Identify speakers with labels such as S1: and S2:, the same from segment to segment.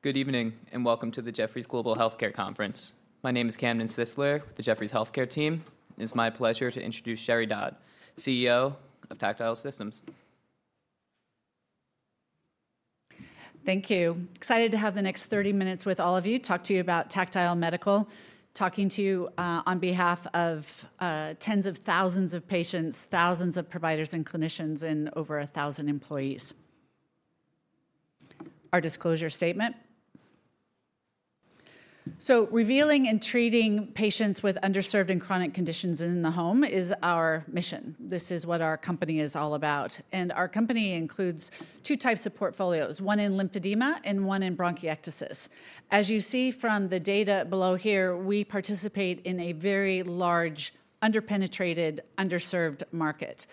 S1: Good evening and welcome to the Jefferies Global Healthcare Conference. My name is Camden Sisler with the Jefferies Healthcare Team. It is my pleasure to introduce Sheri Dodd, CEO of Tactile Systems.
S2: Thank you. Excited to have the next 30 minutes with all of you, talk to you about Tactile Medical, talking to you on behalf of tens of thousands of patients, thousands of providers and clinicians, and over 1,000 employees. Our disclosure statement. Revealing and treating patients with underserved and chronic conditions in the home is our mission. This is what our company is all about. Our company includes two types of portfolios, one in lymphedema and one in bronchiectasis. As you see from the data below here, we participate in a very large underpenetrated, underserved market.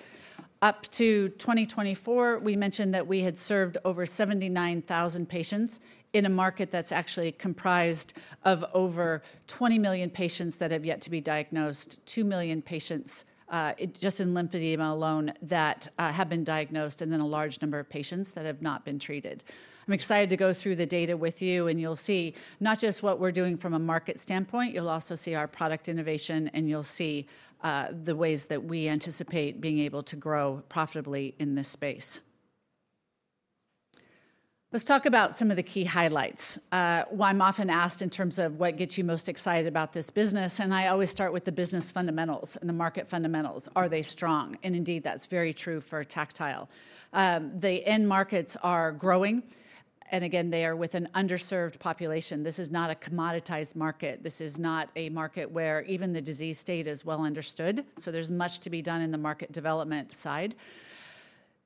S2: Up to 2024, we mentioned that we had served over 79,000 patients in a market that is actually comprised of over 20 million patients that have yet to be diagnosed, 2 million patients just in lymphedema alone that have been diagnosed, and then a large number of patients that have not been treated. I'm excited to go through the data with you, and you'll see not just what we're doing from a market standpoint, you'll also see our product innovation, and you'll see the ways that we anticipate being able to grow profitably in this space. Let's talk about some of the key highlights. Why I'm often asked in terms of what gets you most excited about this business, and I always start with the business fundamentals and the market fundamentals. Are they strong? And indeed, that's very true for Tactile. The end markets are growing, and again, they are with an underserved population. This is not a commoditized market. This is not a market where even the disease state is well understood. There is much to be done in the market development side.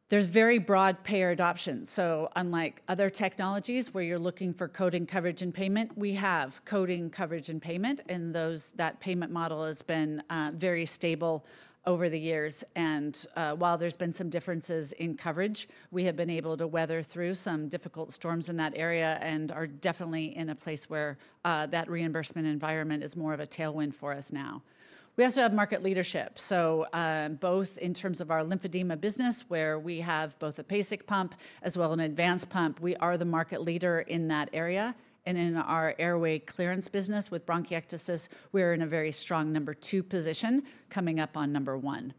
S2: There is very broad payer adoption. Unlike other technologies where you're looking for coding, coverage, and payment, we have coding, coverage, and payment, and that payment model has been very stable over the years. While there's been some differences in coverage, we have been able to weather through some difficult storms in that area and are definitely in a place where that reimbursement environment is more of a tailwind for us now. We also have market leadership. Both in terms of our lymphedema business, where we have both a basic pump as well as an advanced pump, we are the market leader in that area. In our airway clearance business with bronchiectasis, we're in a very strong number two position, coming up on number one.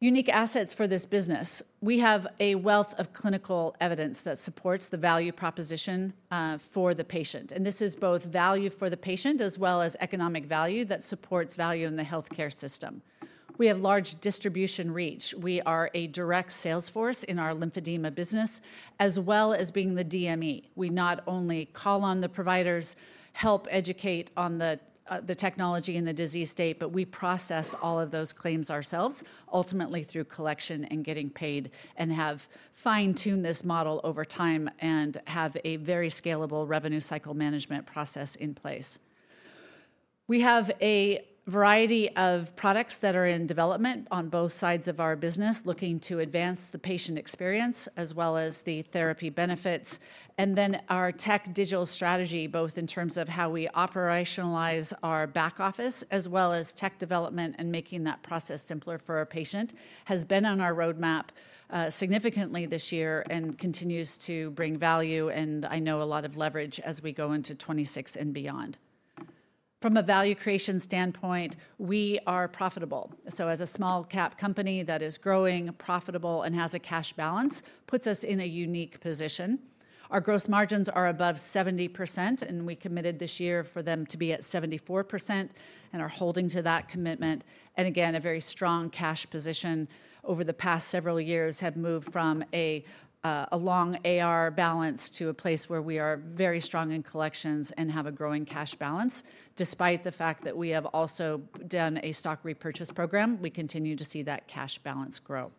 S2: Unique assets for this business. We have a wealth of clinical evidence that supports the value proposition for the patient. This is both value for the patient as well as economic value that supports value in the healthcare system. We have large distribution reach. We are a direct sales force in our lymphedema business as well as being the DME. We not only call on the providers, help educate on the technology and the disease state, but we process all of those claims ourselves, ultimately through collection and getting paid and have fine-tuned this model over time and have a very scalable revenue cycle management process in place. We have a variety of products that are in development on both sides of our business, looking to advance the patient experience as well as the therapy benefits. Our tech digital strategy, both in terms of how we operationalize our back office as well as tech development and making that process simpler for a patient, has been on our roadmap significantly this year and continues to bring value. I know a lot of leverage as we go into 2026 and beyond. From a value creation standpoint, we are profitable. As a small-cap company that is growing, profitable, and has a cash balance, it puts us in a unique position. Our gross margins are above 70%, and we committed this year for them to be at 74% and are holding to that commitment. Again, a very strong cash position over the past several years has moved from a long AR balance to a place where we are very strong in collections and have a growing cash balance. Despite the fact that we have also done a stock repurchase program, we continue to see that cash balance grow.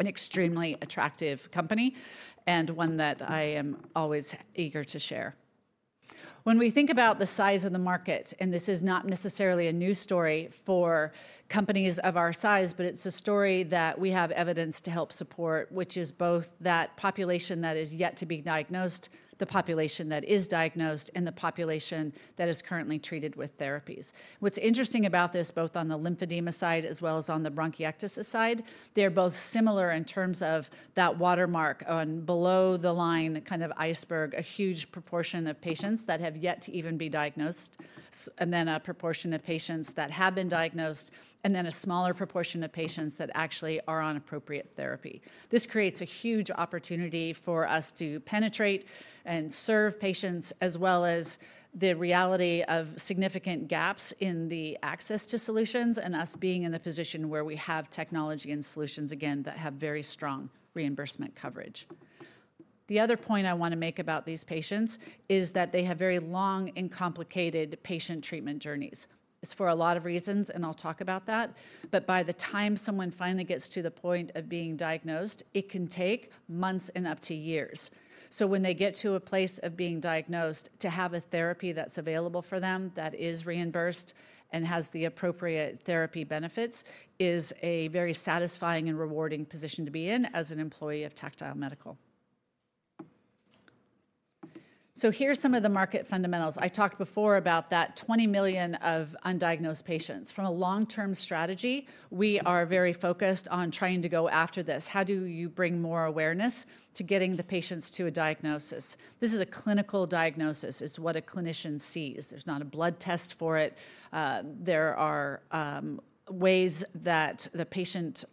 S2: An extremely attractive company and one that I am always eager to share. When we think about the size of the market, and this is not necessarily a new story for companies of our size, but it is a story that we have evidence to help support, which is both that population that is yet to be diagnosed, the population that is diagnosed, and the population that is currently treated with therapies. What's interesting about this, both on the lymphedema side as well as on the bronchiectasis side, they're both similar in terms of that watermark on below the line kind of iceberg, a huge proportion of patients that have yet to even be diagnosed, and then a proportion of patients that have been diagnosed, and then a smaller proportion of patients that actually are on appropriate therapy. This creates a huge opportunity for us to penetrate and serve patients as well as the reality of significant gaps in the access to solutions and us being in the position where we have technology and solutions, again, that have very strong reimbursement coverage. The other point I want to make about these patients is that they have very long and complicated patient treatment journeys. It's for a lot of reasons, and I'll talk about that. By the time someone finally gets to the point of being diagnosed, it can take months and up to years. When they get to a place of being diagnosed, to have a therapy that's available for them that is reimbursed and has the appropriate therapy benefits is a very satisfying and rewarding position to be in as an employee of Tactile Medical. Here are some of the market fundamentals. I talked before about that 20 million of undiagnosed patients. From a long-term strategy, we are very focused on trying to go after this. How do you bring more awareness to getting the patients to a diagnosis? This is a clinical diagnosis. It's what a clinician sees. There's not a blood test for it. There are ways that the patient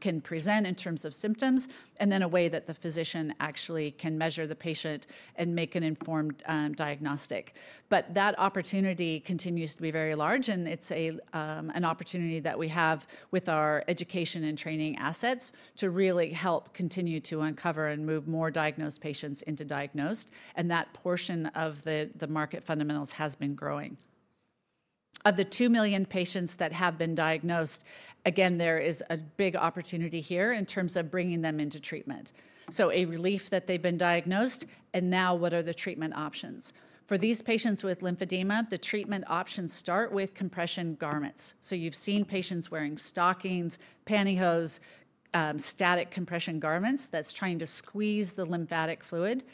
S2: can present in terms of symptoms and then a way that the physician actually can measure the patient and make an informed diagnostic. That opportunity continues to be very large, and it's an opportunity that we have with our education and training assets to really help continue to uncover and move more diagnosed patients into diagnosed. That portion of the market fundamentals has been growing. Of the 2 million patients that have been diagnosed, again, there is a big opportunity here in terms of bringing them into treatment. A relief that they've been diagnosed, and now what are the treatment options? For these patients with lymphedema, the treatment options start with compression garments. You've seen patients wearing stockings, pantyhose, static compression garments that's trying to squeeze the lymphatic fluid.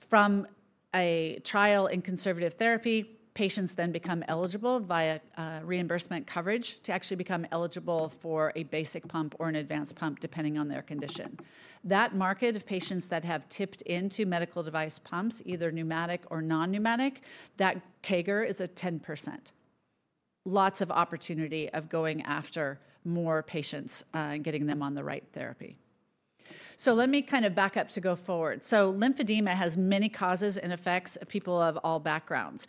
S2: From a trial in conservative therapy, patients then become eligible via reimbursement coverage to actually become eligible for a basic pump or an advanced pump depending on their condition. That market of patients that have tipped into medical device pumps, either pneumatic or non-pneumatic, that CAGR is at 10%. Lots of opportunity of going after more patients and getting them on the right therapy. Let me kind of back up to go forward. Lymphedema has many causes and effects of people of all backgrounds.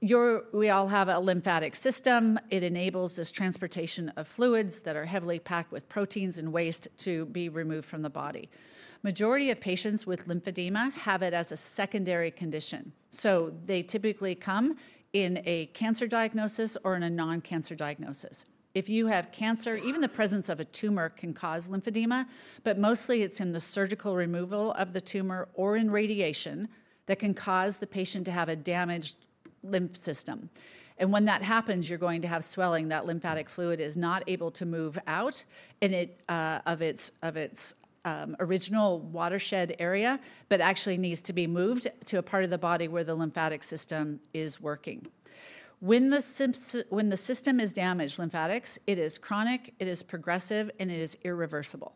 S2: We all have a lymphatic system. It enables this transportation of fluids that are heavily packed with proteins and waste to be removed from the body. The majority of patients with lymphedema have it as a secondary condition. They typically come in a cancer diagnosis or in a non-cancer diagnosis. If you have cancer, even the presence of a tumor can cause lymphedema, but mostly it's in the surgical removal of the tumor or in radiation that can cause the patient to have a damaged lymph system. When that happens, you're going to have swelling. That lymphatic fluid is not able to move out of its original watershed area, but actually needs to be moved to a part of the body where the lymphatic system is working. When the system is damaged, lymphatics, it is chronic, it is progressive, and it is irreversible.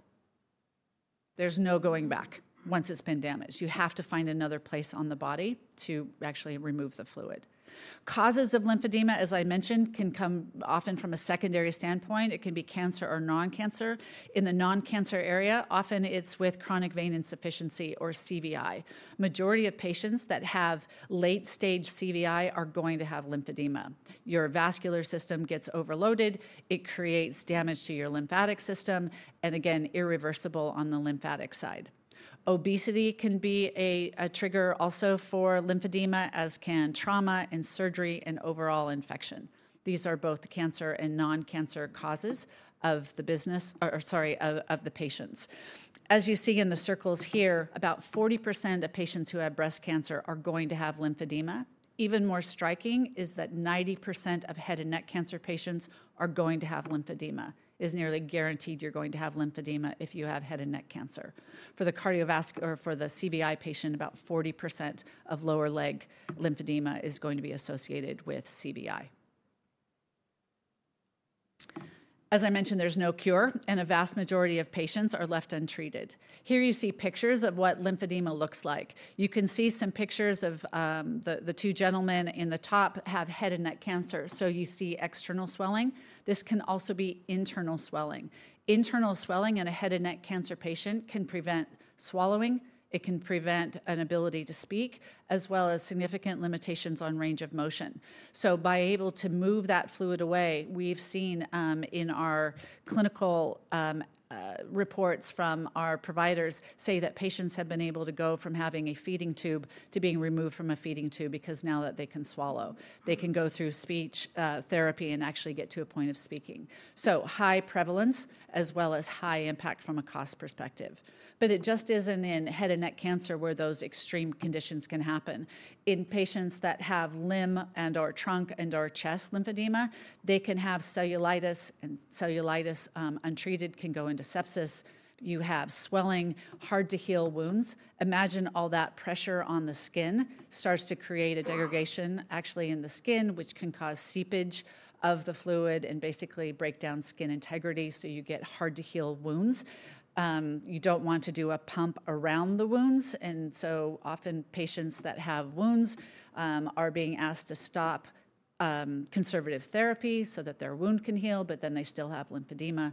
S2: There's no going back once it's been damaged. You have to find another place on the body to actually remove the fluid. Causes of lymphedema, as I mentioned, can come often from a secondary standpoint. It can be cancer or non-cancer. In the non-cancer area, often it's with chronic venous insufficiency or CVI. The majority of patients that have late-stage CVI are going to have lymphedema. Your vascular system gets overloaded. It creates damage to your lymphatic system and, again, irreversible on the lymphatic side. Obesity can be a trigger also for lymphedema, as can trauma and surgery and overall infection. These are both cancer and non-cancer causes of the business, or sorry, of the patients. As you see in the circles here, about 40% of patients who have breast cancer are going to have lymphedema. Even more striking is that 90% of head and neck cancer patients are going to have lymphedema. It is nearly guaranteed you're going to have lymphedema if you have head and neck cancer. For the CVI patient, about 40% of lower leg lymphedema is going to be associated with CVI. As I mentioned, there's no cure, and a vast majority of patients are left untreated. Here you see pictures of what lymphedema looks like. You can see some pictures of the two gentlemen in the top have head and neck cancer, so you see external swelling. This can also be internal swelling. Internal swelling in a head and neck cancer patient can prevent swallowing. It can prevent an ability to speak as well as significant limitations on range of motion. By being able to move that fluid away, we've seen in our clinical reports from our providers say that patients have been able to go from having a feeding tube to being removed from a feeding tube because now that they can swallow, they can go through speech therapy and actually get to a point of speaking. High prevalence as well as high impact from a cost perspective. It just isn't in head and neck cancer where those extreme conditions can happen. In patients that have limb and/or trunk and/or chest lymphedema, they can have cellulitis, and cellulitis untreated can go into sepsis. You have swelling, hard-to-heal wounds. Imagine all that pressure on the skin starts to create a degradation actually in the skin, which can cause seepage of the fluid and basically break down skin integrity. You get hard-to-heal wounds. You do not want to do a pump around the wounds. Often patients that have wounds are being asked to stop conservative therapy so that their wound can heal, but then they still have lymphedema.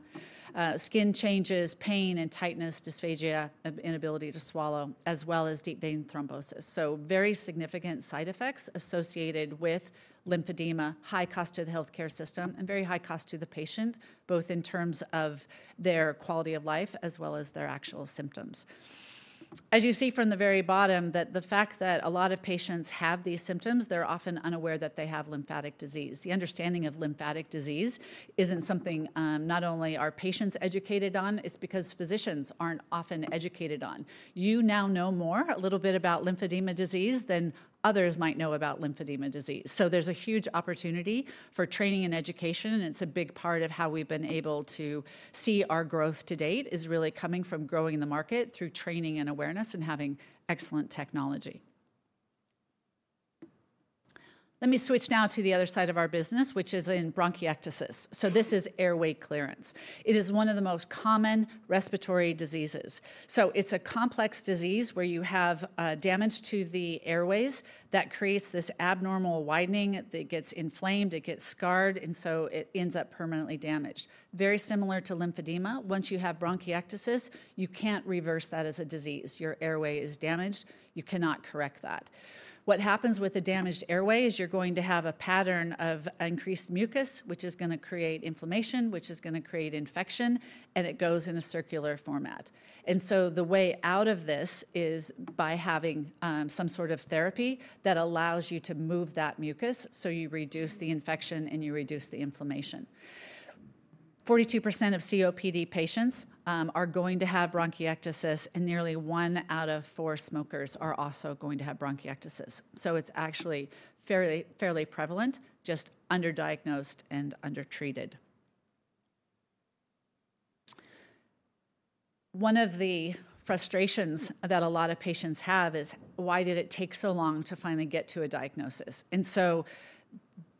S2: Skin changes, pain and tightness, dysphagia, inability to swallow, as well as deep vein thrombosis. Very significant side effects are associated with lymphedema, high cost to the healthcare system, and very high cost to the patient, both in terms of their quality of life as well as their actual symptoms. As you see from the very bottom, the fact that a lot of patients have these symptoms, they're often unaware that they have lymphatic disease. The understanding of lymphatic disease isn't something not only are patients educated on, it's because physicians aren't often educated on. You now know more a little bit about lymphedema disease than others might know about lymphedema disease. There's a huge opportunity for training and education, and it's a big part of how we've been able to see our growth to date is really coming from growing the market through training and awareness and having excellent technology. Let me switch now to the other side of our business, which is in bronchiectasis. This is airway clearance. It is one of the most common respiratory diseases. It's a complex disease where you have damage to the airways that creates this abnormal widening. It gets inflamed, it gets scarred, and so it ends up permanently damaged. Very similar to lymphedema. Once you have bronchiectasis, you can't reverse that as a disease. Your airway is damaged. You cannot correct that. What happens with a damaged airway is you're going to have a pattern of increased mucus, which is going to create inflammation, which is going to create infection, and it goes in a circular format. The way out of this is by having some sort of therapy that allows you to move that mucus, so you reduce the infection and you reduce the inflammation. 42% of COPD patients are going to have bronchiectasis, and nearly one out of four smokers are also going to have bronchiectasis. It is actually fairly prevalent, just underdiagnosed and undertreated. One of the frustrations that a lot of patients have is, why did it take so long to finally get to a diagnosis?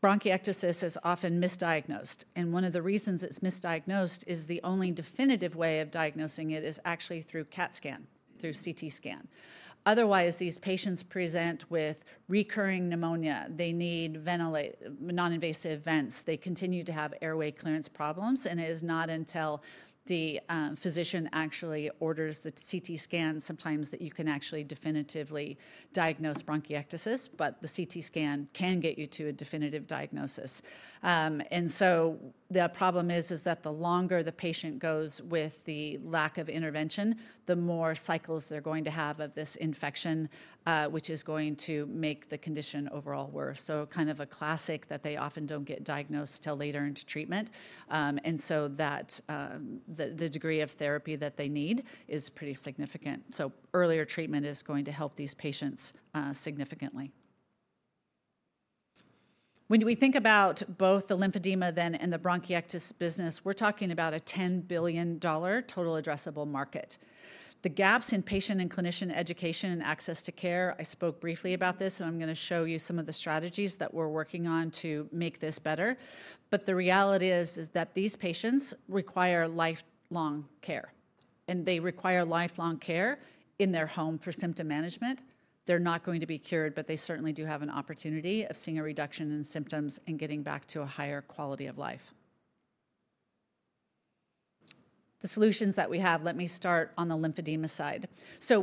S2: Bronchiectasis is often misdiagnosed. One of the reasons it's misdiagnosed is the only definitive way of diagnosing it is actually through CT scan. Otherwise, these patients present with recurring pneumonia. They need non-invasive vents. They continue to have airway clearance problems, and it is not until the physician actually orders the CT scan sometimes that you can actually definitively diagnose bronchiectasis. The CT scan can get you to a definitive diagnosis. The problem is that the longer the patient goes with the lack of intervention, the more cycles they're going to have of this infection, which is going to make the condition overall worse. Kind of a classic that they often do not get diagnosed till later into treatment. The degree of therapy that they need is pretty significant. Earlier treatment is going to help these patients significantly. When we think about both the lymphedema then and the bronchiectasis business, we are talking about a $10 billion total addressable market. The gaps in patient and clinician education and access to care, I spoke briefly about this, and I am going to show you some of the strategies that we are working on to make this better. The reality is that these patients require lifelong care, and they require lifelong care in their home for symptom management. They are not going to be cured, but they certainly do have an opportunity of seeing a reduction in symptoms and getting back to a higher quality of life. The solutions that we have, let me start on the lymphedema side.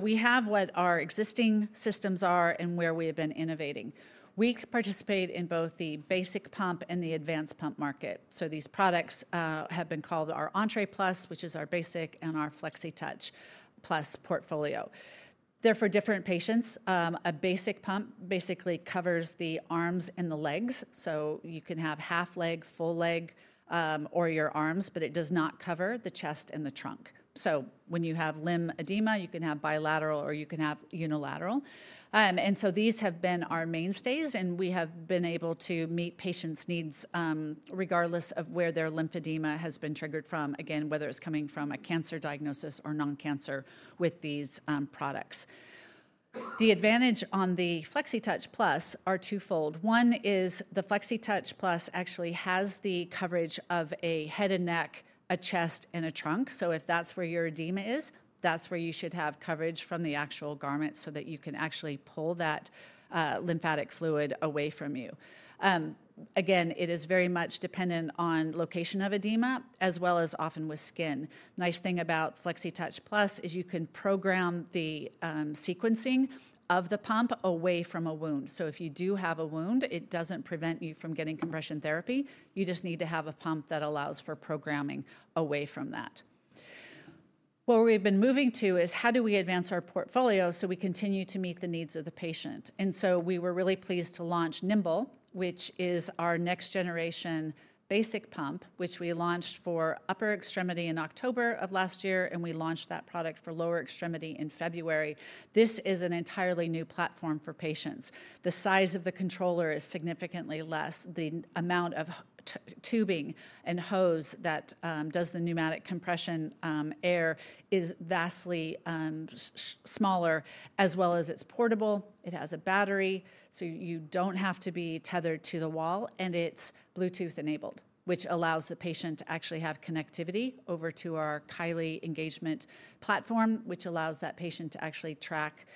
S2: We have what our existing systems are and where we have been innovating. We participate in both the basic pump and the advanced pump market. These products have been called our Entre Plus, which is our basic, and our Flexitouch Plus portfolio. They are for different patients. A basic pump basically covers the arms and the legs. You can have half leg, full leg, or your arms, but it does not cover the chest and the trunk. When you have limb edema, you can have bilateral or you can have unilateral. These have been our mainstays, and we have been able to meet patients' needs regardless of where their lymphedema has been triggered from, again, whether it is coming from a cancer diagnosis or non-cancer with these products. The advantage on the Flexitouch Plus are two-fold. One is the Flexitouch Plus actually has the coverage of a head and neck, a chest, and a trunk. If that's where your edema is, that's where you should have coverage from the actual garment so that you can actually pull that lymphatic fluid away from you. Again, it is very much dependent on location of edema as well as often with skin. The nice thing about Flexitouch Plus is you can program the sequencing of the pump away from a wound. If you do have a wound, it doesn't prevent you from getting compression therapy. You just need to have a pump that allows for programming away from that. What we've been moving to is how do we advance our portfolio so we continue to meet the needs of the patient. We were really pleased to launch Nimbl, which is our next-generation basic pump, which we launched for upper extremity in October of last year, and we launched that product for lower extremity in February. This is an entirely new platform for patients. The size of the controller is significantly less. The amount of tubing and hose that does the pneumatic compression air is vastly smaller as well as it's portable. It has a battery, so you do not have to be tethered to the wall, and it's Bluetooth-enabled, which allows the patient to actually have connectivity over to our Kylee engagement platform, which allows that patient to actually track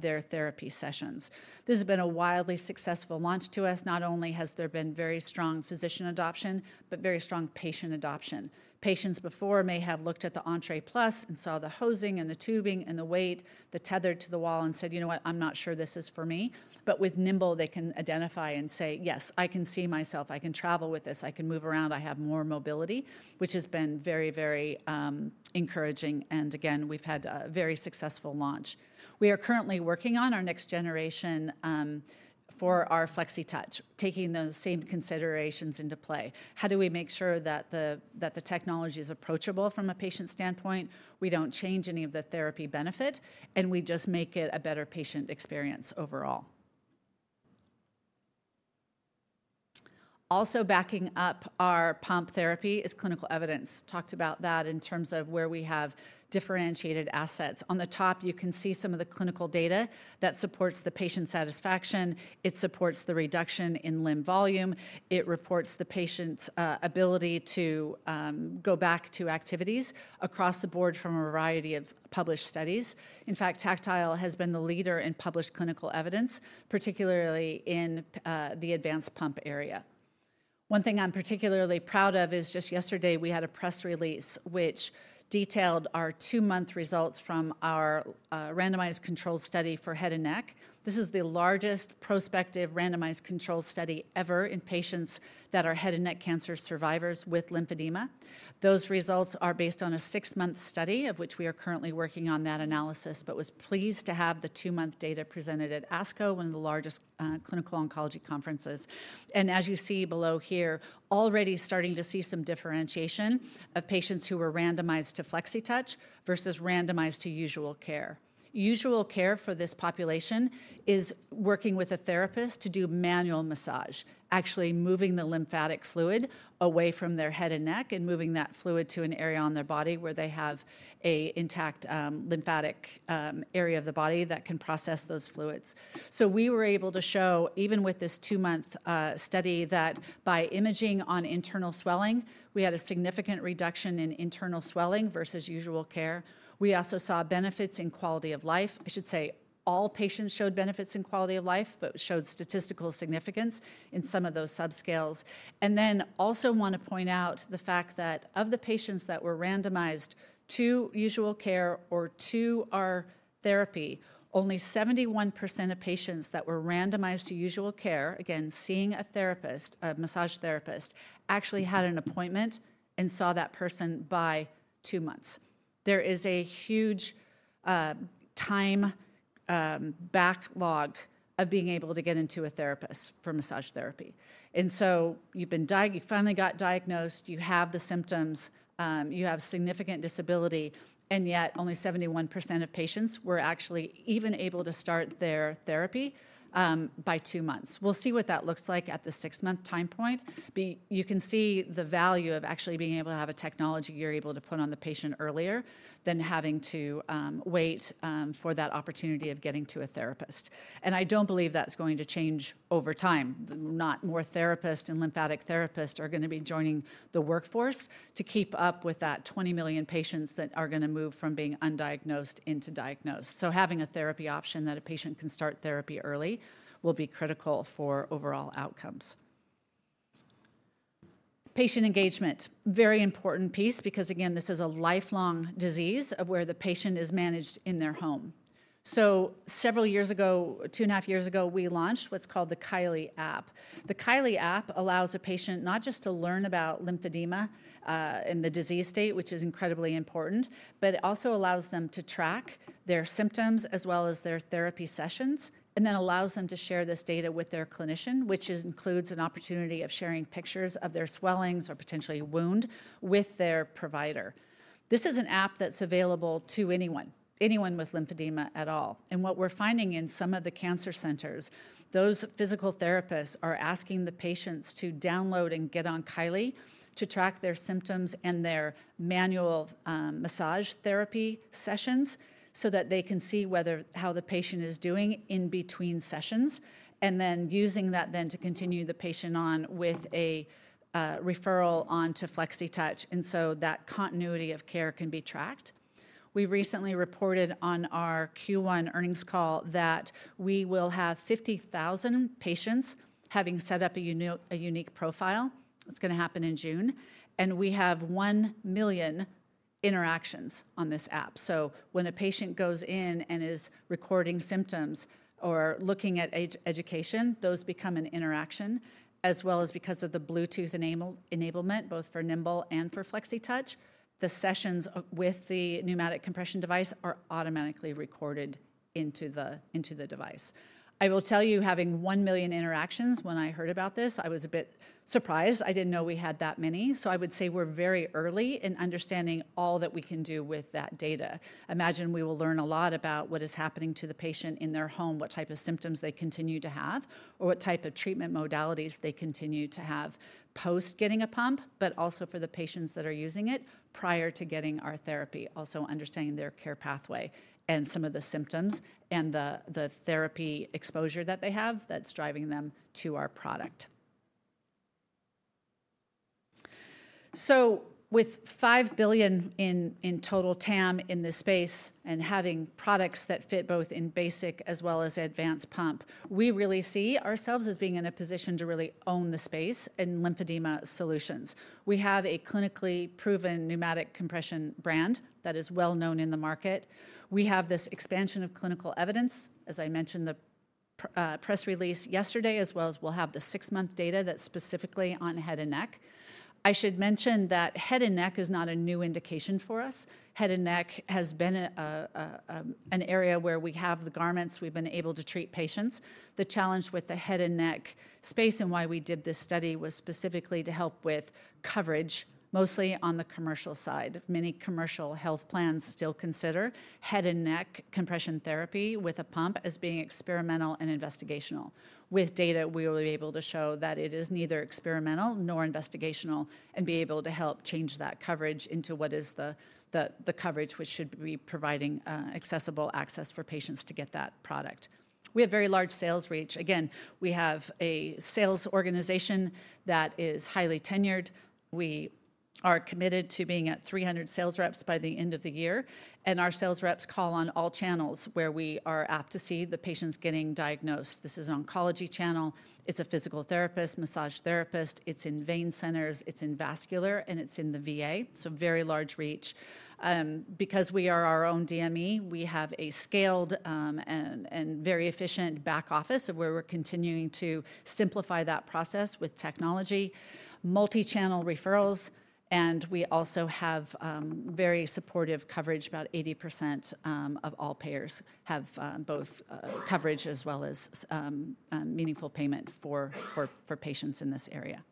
S2: their therapy sessions. This has been a wildly successful launch to us. Not only has there been very strong physician adoption, but very strong patient adoption. Patients before may have looked at the Entre Plus and saw the hosing and the tubing and the weight, the tether to the wall, and said, "You know what? I'm not sure this is for me." With Nimbl, they can identify and say, "Yes, I can see myself. I can travel with this. I can move around. I have more mobility," which has been very, very encouraging. We have had a very successful launch. We are currently working on our next generation for our Flexitouch, taking those same considerations into play. How do we make sure that the technology is approachable from a patient standpoint? We do not change any of the therapy benefit, and we just make it a better patient experience overall. Also backing up our pump therapy is clinical evidence. Talked about that in terms of where we have differentiated assets. On the top, you can see some of the clinical data that supports the patient satisfaction. It supports the reduction in limb volume. It reports the patient's ability to go back to activities across the board from a variety of published studies. In fact, Tactile has been the leader in published clinical evidence, particularly in the advanced pump area. One thing I'm particularly proud of is just yesterday we had a press release which detailed our two-month results from our randomized control study for head and neck. This is the largest prospective randomized control study ever in patients that are head and neck cancer survivors with lymphedema. Those results are based on a six-month study of which we are currently working on that analysis, but was pleased to have the two-month data presented at ASCO, one of the largest clinical oncology conferences. As you see below here, already starting to see some differentiation of patients who were randomized to Flexitouch versus randomized to usual care. Usual care for this population is working with a therapist to do manual massage, actually moving the lymphatic fluid away from their head and neck and moving that fluid to an area on their body where they have an intact lymphatic area of the body that can process those fluids. We were able to show, even with this two-month study, that by imaging on internal swelling, we had a significant reduction in internal swelling versus usual care. We also saw benefits in quality of life. I should say all patients showed benefits in quality of life, but showed statistical significance in some of those subscales. I also want to point out the fact that of the patients that were randomized to usual care or to our therapy, only 71% of patients that were randomized to usual care, again, seeing a therapist, a massage therapist, actually had an appointment and saw that person by two months. There is a huge time backlog of being able to get into a therapist for massage therapy. You have finally got diagnosed, you have the symptoms, you have significant disability, and yet only 71% of patients were actually even able to start their therapy by two months. We will see what that looks like at the six-month time point. You can see the value of actually being able to have a technology you are able to put on the patient earlier than having to wait for that opportunity of getting to a therapist. I don't believe that's going to change over time. Not more therapists and lymphatic therapists are going to be joining the workforce to keep up with that 20 million patients that are going to move from being undiagnosed into diagnosed. Having a therapy option that a patient can start therapy early will be critical for overall outcomes. Patient engagement, very important piece because, again, this is a lifelong disease of where the patient is managed in their home. Several years ago, two and a half years ago, we launched what's called the Kylee app. The Kylee app allows a patient not just to learn about lymphedema and the disease state, which is incredibly important, but it also allows them to track their symptoms as well as their therapy sessions and then allows them to share this data with their clinician, which includes an opportunity of sharing pictures of their swellings or potentially wound with their provider. This is an app that's available to anyone, anyone with lymphedema at all. What we're finding in some of the cancer centers, those physical therapists are asking the patients to download and get on Kylee to track their symptoms and their manual massage therapy sessions so that they can see how the patient is doing in between sessions and then using that then to continue the patient on with a referral on to Flexitouch and so that continuity of care can be tracked. We recently reported on our Q1 earnings call that we will have 50,000 patients having set up a unique profile. It's going to happen in June. And we have one million interactions on this app. When a patient goes in and is recording symptoms or looking at education, those become an interaction as well as because of the Bluetooth enablement, both for Nimbl and for Flexitouch, the sessions with the pneumatic compression device are automatically recorded into the device. I will tell you, having one million interactions, when I heard about this, I was a bit surprised. I didn't know we had that many. I would say we're very early in understanding all that we can do with that data. Imagine we will learn a lot about what is happening to the patient in their home, what type of symptoms they continue to have, or what type of treatment modalities they continue to have post getting a pump, but also for the patients that are using it prior to getting our therapy, also understanding their care pathway and some of the symptoms and the therapy exposure that they have that's driving them to our product. With $5 billion in total TAM in this space and having products that fit both in basic as well as advanced pump, we really see ourselves as being in a position to really own the space in lymphedema solutions. We have a clinically proven pneumatic compression brand that is well known in the market. We have this expansion of clinical evidence, as I mentioned the press release yesterday, as well as we'll have the six-month data that's specifically on head and neck. I should mention that head and neck is not a new indication for us. Head and neck has been an area where we have the garments we've been able to treat patients. The challenge with the head and neck space and why we did this study was specifically to help with coverage mostly on the commercial side. Many commercial health plans still consider head and neck compression therapy with a pump as being experimental and investigational. With data, we will be able to show that it is neither experimental nor investigational and be able to help change that coverage into what is the coverage which should be providing accessible access for patients to get that product. We have very large sales reach. Again, we have a sales organization that is highly tenured. We are committed to being at 300 sales reps by the end of the year. Our sales reps call on all channels where we are apt to see the patients getting diagnosed. This is an oncology channel. It is a physical therapist, massage therapist. It is in vein centers. It is in vascular, and it is in the VA. Very large reach. Because we are our own DME, we have a scaled and very efficient back office where we are continuing to simplify that process with technology, multi-channel referrals, and we also have very supportive coverage. About 80% of all payers have both coverage as well as meaningful payment for patients in this area.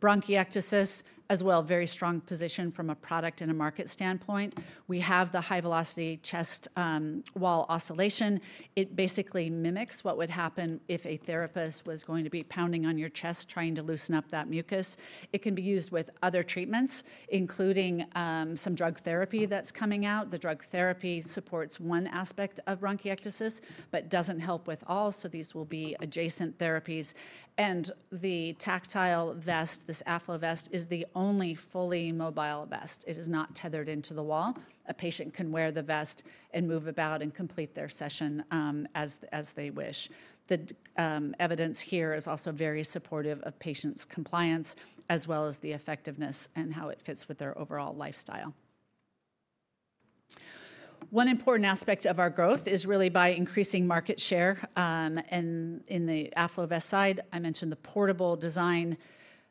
S2: Bronchiectasis as well, very strong position from a product and a market standpoint. We have the high-velocity chest wall oscillation. It basically mimics what would happen if a therapist was going to be pounding on your chest trying to loosen up that mucus. It can be used with other treatments, including some drug therapy that's coming out. The drug therapy supports one aspect of bronchiectasis, but does not help with all. These will be adjacent therapies. The Tactile vest, this AffloVest, is the only fully mobile vest. It is not tethered into the wall. A patient can wear the vest and move about and complete their session as they wish. The evidence here is also very supportive of patients' compliance as well as the effectiveness and how it fits with their overall lifestyle. One important aspect of our growth is really by increasing market share. In the AffloVest side, I mentioned the portable design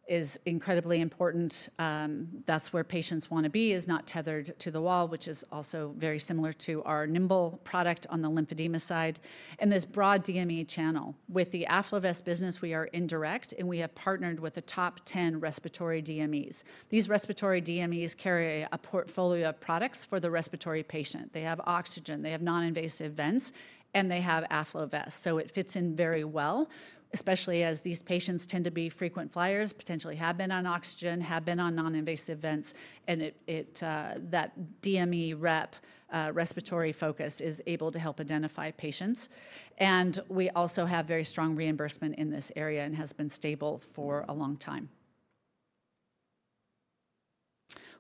S2: is incredibly important. That's where patients want to be, is not tethered to the wall, which is also very similar to our Nimbl product on the lymphedema side. This broad DME channel. With the AffloVest business, we are indirect, and we have partnered with the top 10 respiratory DMEs. These respiratory DMEs carry a portfolio of products for the respiratory patient. They have oxygen, they have non-invasive vents, and they have AffloVest. It fits in very well, especially as these patients tend to be frequent flyers, potentially have been on oxygen, have been on non-invasive vents, and that DME rep respiratory focus is able to help identify patients. We also have very strong reimbursement in this area and it has been stable for a long time.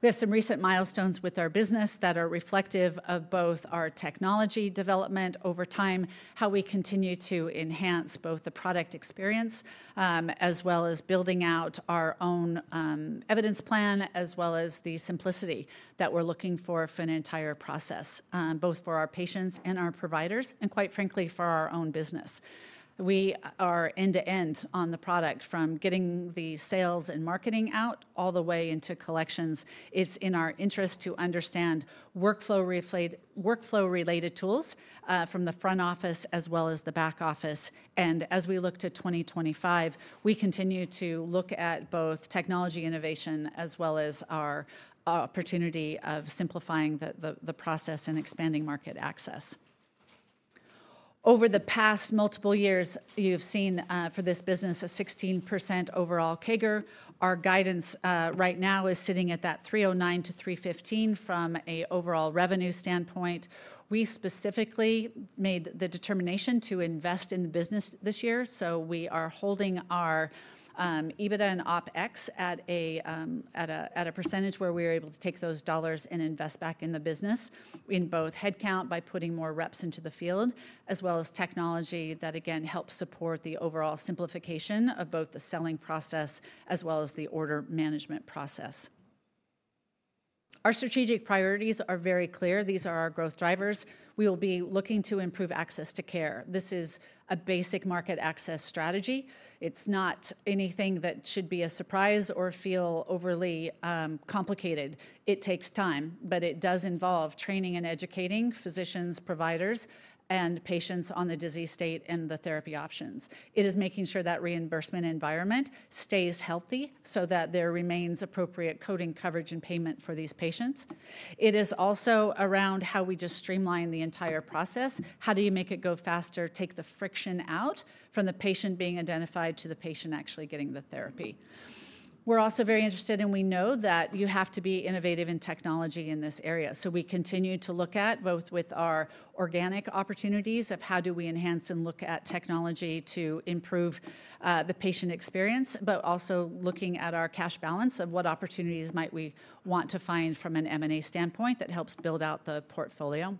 S2: We have some recent milestones with our business that are reflective of both our technology development over time, how we continue to enhance both the product experience as well as building out our own evidence plan, as well as the simplicity that we're looking for for an entire process, both for our patients and our providers, and quite frankly, for our own business. We are end-to-end on the product from getting the sales and marketing out all the way into collections. It is in our interest to understand workflow-related tools from the front office as well as the back office. As we look to 2025, we continue to look at both technology innovation as well as our opportunity of simplifying the process and expanding market access. Over the past multiple years, you've seen for this business a 16% overall CAGR. Our guidance right now is sitting at that $309 million-$315 million from an overall revenue standpoint. We specifically made the determination to invest in the business this year. We are holding our EBITDA and OpEx at a percentage where we are able to take those dollars and invest back in the business in both headcount by putting more reps into the field, as well as technology that, again, helps support the overall simplification of both the selling process as well as the order management process. Our strategic priorities are very clear. These are our growth drivers. We will be looking to improve access to care. This is a basic market access strategy. It is not anything that should be a surprise or feel overly complicated. It takes time, but it does involve training and educating physicians, providers, and patients on the disease state and the therapy options. It is making sure that reimbursement environment stays healthy so that there remains appropriate coding, coverage, and payment for these patients. It is also around how we just streamline the entire process. How do you make it go faster, take the friction out from the patient being identified to the patient actually getting the therapy? We're also very interested, and we know that you have to be innovative in technology in this area. We continue to look at both with our organic opportunities of how do we enhance and look at technology to improve the patient experience, but also looking at our cash balance of what opportunities might we want to find from an M&A standpoint that helps build out the portfolio.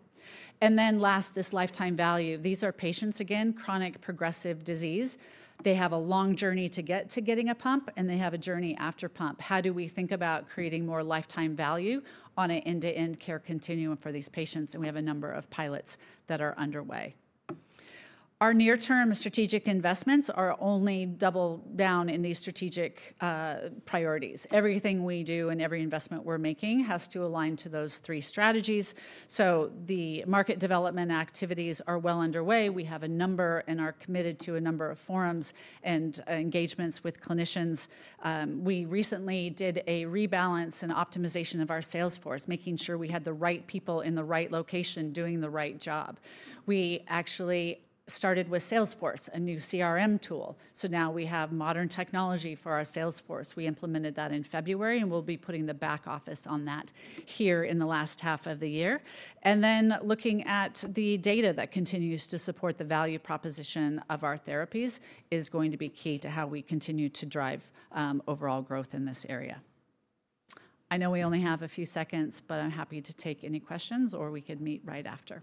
S2: Last, this lifetime value. These are patients, again, chronic progressive disease. They have a long journey to get to getting a pump, and they have a journey after pump. How do we think about creating more lifetime value on an end-to-end care continuum for these patients? We have a number of pilots that are underway. Our near-term strategic investments are only double down in these strategic priorities. Everything we do and every investment we're making has to align to those three strategies. The market development activities are well underway. We have a number and are committed to a number of forums and engagements with clinicians. We recently did a rebalance and optimization of our Salesforce, making sure we had the right people in the right location doing the right job. We actually started with Salesforce, a new CRM tool. Now we have modern technology for our Salesforce. We implemented that in February, and we will be putting the back office on that here in the last half of the year. Looking at the data that continues to support the value proposition of our therapies is going to be key to how we continue to drive overall growth in this area. I know we only have a few seconds, but I am happy to take any questions, or we could meet right after.